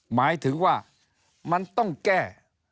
หมายถึงว่ามันต้องแก้